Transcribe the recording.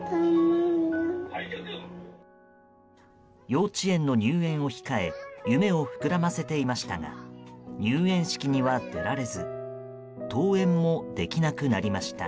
幼稚園の入園を控え夢を膨らませていましたが入園式には出られず登園もできなくなりました。